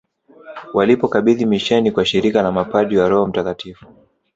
Walipokabidhi misheni kwa shirika la mapadri wa Roho mtakatifu